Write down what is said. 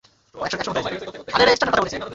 একথা কে বললো?